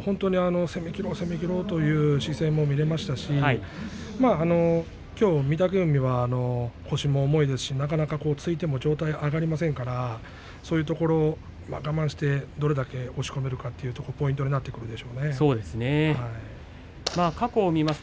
攻めきろう攻めきろうという姿勢も見えましたしきょう御嶽海は腰も重いですしなかなか突いても上体が上がりませんからそういうところ、我慢してどれだけ押し込めるかというのがポイントになってくると思います。